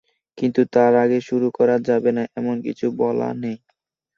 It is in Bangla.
কিন্তু তার আগে শুরু করা যাবে না, এমন কিছু বলা নেই।